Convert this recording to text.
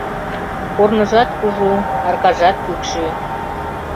«Корныжат кужу, аркажат кӱкшӱ